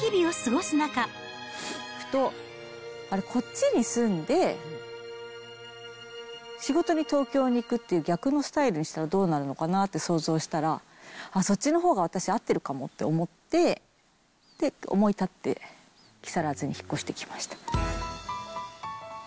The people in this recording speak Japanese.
ふと、あれ、こっちに住んで、仕事に東京に行くっていう逆のスタイルにしたらどうなるのかなって想像したら、あっ、そっちのほうが私合ってるかもと思って、で、思い立って、木更津に引っ越してきました。